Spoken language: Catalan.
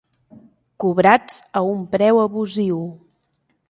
Cobrats a un preu abusiu.